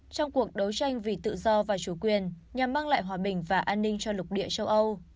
trong cuộc đấu tranh vì tự do và chủ quyền nhằm mang lại hòa bình và an ninh cho lục địa châu âu